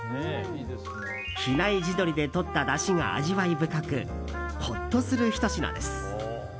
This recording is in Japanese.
比内地鶏でとっただしが味わい深くほっとするひと品です。